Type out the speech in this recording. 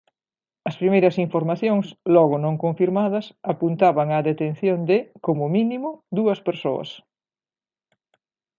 As primeiras informacións, logo non confirmadas, apuntaban á detención de, como mínimo, dúas persoas.